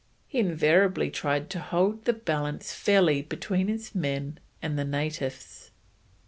He invariably tried to hold the balance fairly between his men and the natives.